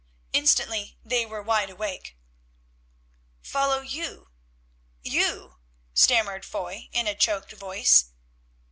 Instantly they were wide awake. "Follow you—you?" stammered Foy in a choked voice.